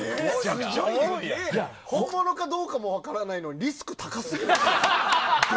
本物かどうかも分からないのにリスク高すぎます。